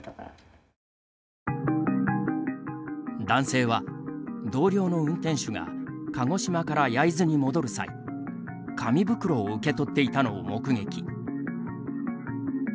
男性は、同僚の運転手が鹿児島から焼津に戻る際紙袋を受け取っていたのを目撃。